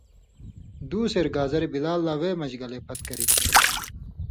دُو سیر گازریۡ بلال لا وے مژ گلے پھت کری۔